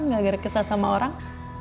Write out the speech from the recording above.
gak gara gara kesal sama orang